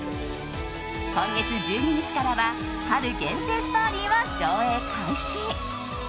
今月１２日からは春限定ストーリーを上映開始。